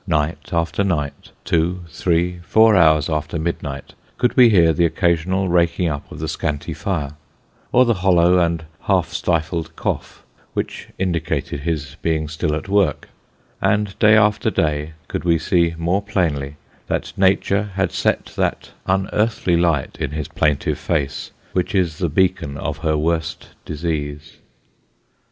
Night after night, two, three, four hours after midnight, could we hear the occasional raking up of the scanty fire, or the hollow and half stifled cough, which indicated his being still at work ; and day after day, could we see more plainly that nature had set that un earthly light in his plaintive face, which is the beacon of her worst disease.